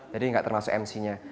jadi nggak termasuk mc nya